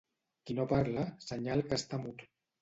Qui no parla, senyal que està mut.